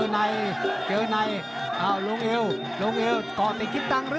ติดในแล้วเด้งตีเลย